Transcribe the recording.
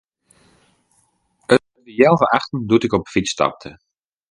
It wie healwei achten doe't ik op 'e fyts stapte.